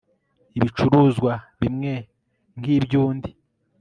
ibicuruzwa bimwe nk iby undi